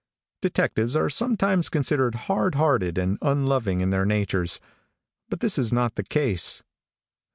Detectives are sometimes considered hardhearted and unloving in their natures, but this is not the case.